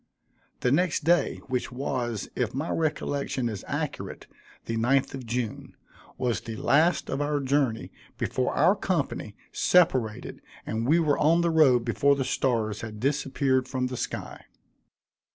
The next day, which was, if my recollection is accurate, the ninth of June, was the last of our journey before our company separated; and we were on the road before the stars had disappeared from the sky.